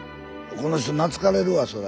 この人懐かれるわそら。